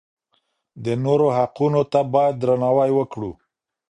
د نورو حقونو ته بايد درناوی وکړو.